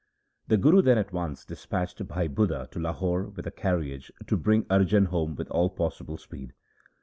The Guru then at once dispatched Bhai Budha to Lahore with a carriage to bring Arjan home with all possible speed.